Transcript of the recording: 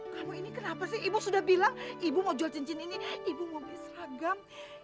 kamu ini kenapa sih ibu sudah bilang ibu mau jual cincin ini ibu mau beli seragam